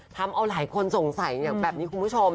ทำเอาหลายคนสงสัยแบบนี้คุณผู้ชม